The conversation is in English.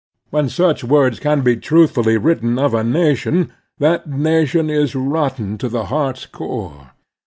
When such words can be truthfully written of a nation, that nation is rotten to the heart's core.